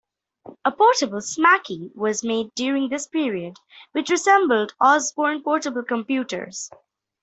A portable Smaky was made during this period, which resembled Osborne portable computers.